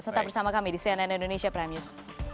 tetap bersama kami di cnn indonesia prime news